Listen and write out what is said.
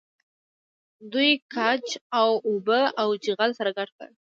دوی ګچ او اوبه او چغل سره ګډول.